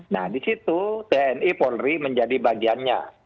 nah disitu tni polri menjadi bagiannya